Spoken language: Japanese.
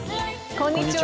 こんにちは。